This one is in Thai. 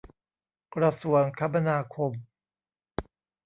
กระทรวงคมนาคม